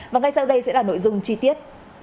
và ngay sau đây sẽ là nội dung chi tiết